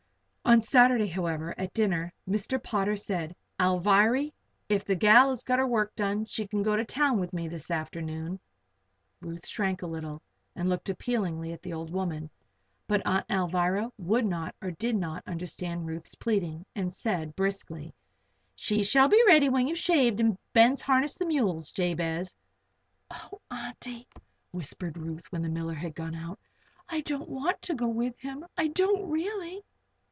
On Saturday, however, at dinner, Mr. Potter said: "Alviry, if the gal has got her work done she can go to town with me this afternoon." Ruth shrank a little and looked appealingly at the old woman. But Aunt Alvirah would not or did not, understand Ruth's pleading, and said, briskly: "She shall be ready when you've shaved and Ben's harnessed the mules, Jabez." "Oh, Auntie!" whispered Ruth, when the miller had gone out, "I don't want to go with him! I don't really!"